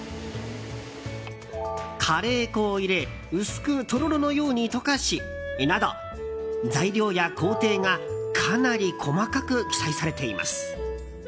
カレー粉を入れ薄くとろろのように溶かしなど材料や工程がかなり細かく記載されています。